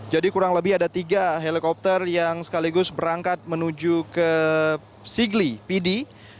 jadi kurang lebih ada tiga helikopter yang sekaligus berangkat menuju ke sigli pidi